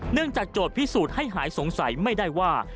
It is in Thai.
จากโจทย์พิสูจน์ให้หายสงสัยไม่ได้ว่า